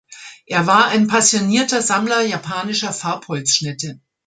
Er war ein passionierter Sammler japanischer Farbholzschnitte.